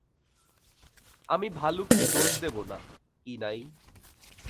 আমি ভালুককে দোষ দেব না, কিনাই।